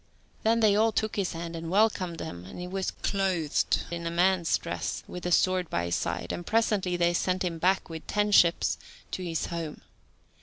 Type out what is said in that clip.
Then they all took his hand, and welcomed him, and he was clothed in man's dress, with the sword by his side, and presently they sent him back with ten ships to his home.